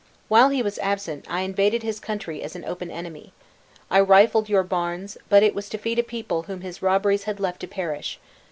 While he was absent, I invaded his country as an open enemy. I rifled your barns, but it was to feed a people whom his robberies had left to perish!